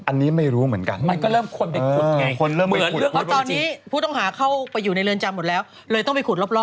อันนี้ไม่รู้เหมือนกันมันก็เริ่มควรไปขุดไงตอนนี้ผู้ต้องหาเข้าไปอยู่ในเรือนจำหมดแล้วเลยต้องไปขุดรอบ